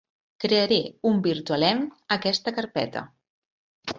Crearé un virtualenv a aquesta carpeta.